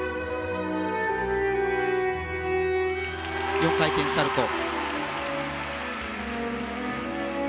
４回転サルコウ。